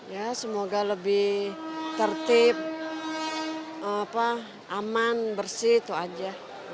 ya semoga lebih tertib aman bersih itu aja